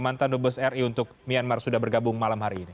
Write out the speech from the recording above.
mantan dubes ri untuk myanmar sudah bergabung malam hari ini